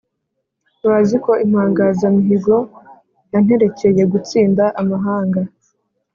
bazi ko impangazamihigo yanterekeye gutsinda amahanga